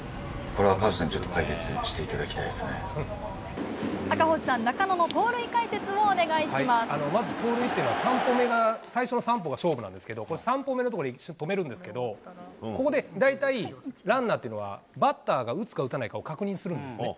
これ、赤星さんにちょっと解説し赤星さん、まず盗塁というのは、最初の３歩が勝負なんですけど、これ、３歩目のとこで一度止めるんですけど、ここで大体ランナーというのは、バッターが打つか打たないかを確認するんですね。